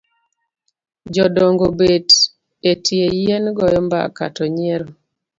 Jodongo obet etie yien goyo mbaka to nyiero.